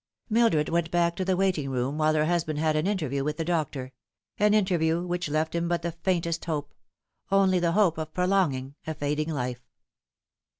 Mildred went back to the waiting room while her husband had an interview with the doctor ; an interview which left him but the faintest hope only the hope of 'prolonging a fading life.